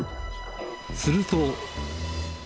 すると。